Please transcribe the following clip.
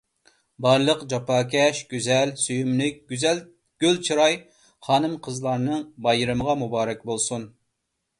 بارلىق جاپاكەش، گۈزەل، سۆيۈملۈك، گۈل چىراي خانىم-قىزلارنىڭ بايرىمىغا مۇبارەك بولسۇن.